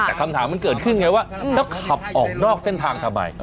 แต่คำถามมันเกิดขึ้นไงว่าแล้วขับออกนอกเส้นทางทำไม